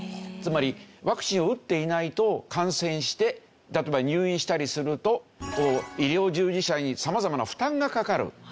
つまりワクチンを打っていないと感染して例えば入院したりすると医療従事者に様々な負担がかかる。